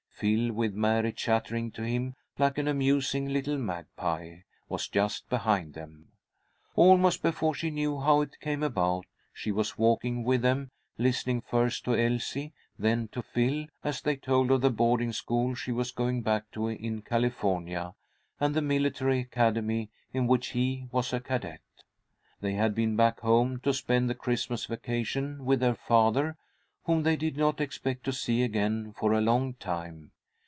Phil, with Mary chattering to him like an amusing little magpie, was just behind them. Almost before she knew how it came about, she was walking with them, listening first to Elsie, then to Phil, as they told of the boarding school she was going back to in California, and the Military Academy in which he was a cadet. They had been back home to spend the Christmas vacation with their father, whom they did not expect to see again for a long time.